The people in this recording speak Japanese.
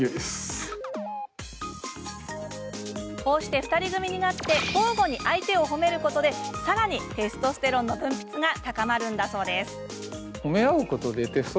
こうして２人組になって交互に相手を褒めることでさらにテストステロンの分泌が高まるんだそうです。